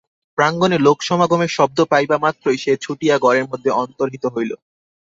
প্রাঙ্গণে লোকসমাগমের শব্দ পাইবামাত্রই সে ছুটিয়া ঘরের মধ্যে অন্তর্হিত হইল।